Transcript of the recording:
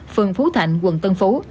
phường phú thạnh quận tân phú